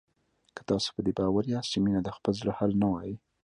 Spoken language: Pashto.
که تاسو په دې باور یاست چې مينه د خپل زړه حال نه وايي